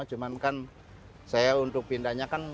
cuman kan saya untuk pindahnya kan